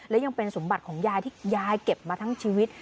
และยังเป็นสมบัติของยายที่ยายเก็บมาทั้งชีวิต